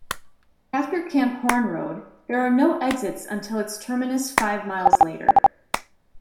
After Camp Horne Road, there are no exits until its terminus five miles later.